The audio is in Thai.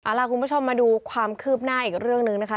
ล่ะคุณผู้ชมมาดูความคืบหน้าอีกเรื่องหนึ่งนะคะ